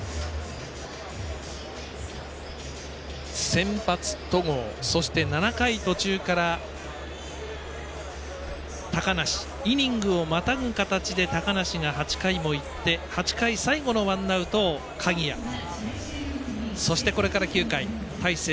先発、戸郷そして、７回途中から高梨イニングをまたぐ形で高梨が８回もいって８回、最後のワンアウトを鍵谷そして、これから９回大勢！！